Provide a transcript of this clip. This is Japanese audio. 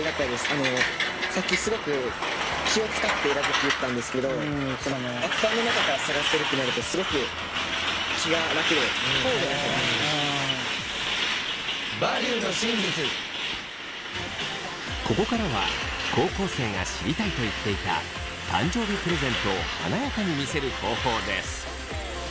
あのさっきすごく気を遣って選ぶって言ったんですけどここからは高校生が知りたいと言っていた誕生日プレゼントを華やかに見せる方法です。